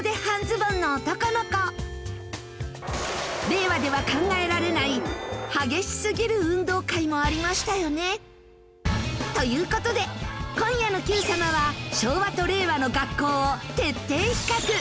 令和では考えられない激しすぎる運動会もありましたよね。という事で今夜の『Ｑさま！！』は昭和と令和の学校を徹底比較！